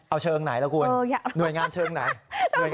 เอาเชิงไหนล่ะคุณหน่วยงานเชิงไหน